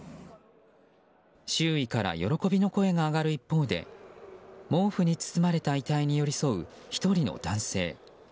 周囲から喜びの声が上がる一方で毛布に包まれた遺体に寄り添う１人の男性。